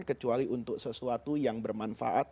kecuali untuk sesuatu yang bermanfaat